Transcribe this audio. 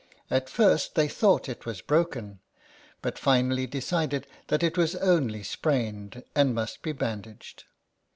At first they thought it was broken, but finally decided that it was only sprained, and must be bandaged.